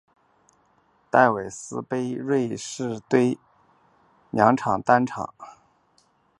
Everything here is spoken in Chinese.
戴维斯杯瑞士队凭藉他的两场单打胜利客场战胜荷兰队顺利保组。